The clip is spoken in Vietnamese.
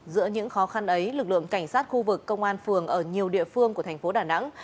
giữa những khó khăn ấy lực lượng cảnh sát khu vực công an phường ở nhiều địa phương của thành phố đà nẵng